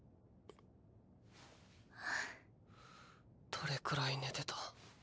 どれくらい寝てた？